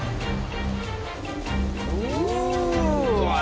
うわ！